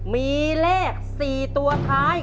มีเลข๔ตัวท้าย